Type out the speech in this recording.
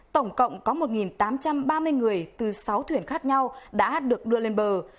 tổng cộng có một tám trăm ba mươi người từ sáu thuyền khác nhau đã được đưa lên bờ